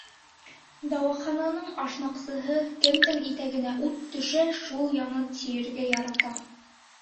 Дауахананың ашнаҡсыһы, кемдең итәгенә ут төшә - шул яна, тиергә ярата.